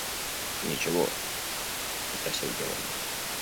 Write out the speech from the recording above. – Ничего, – попросил Георгий.